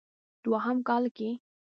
دوهم کال کې